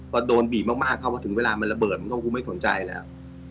พอโดนบีบมากเข้ามาถึงเวลามันระเบิดมันก็คงไม่สนใจแล้ว